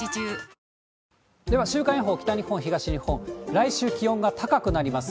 来週気温が高くなります。